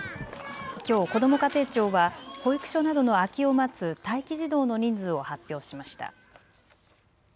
きょう、こども家庭庁は保育所などの空きを待つ待機児童の人数を発表しました。